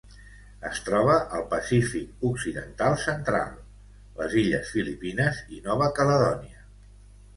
Es troba al Pacífic occidental central: les illes Filipines i Nova Caledònia.